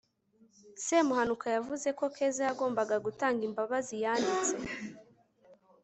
semuhanuka yavuze ko keza yagombaga gutanga imbabazi yanditse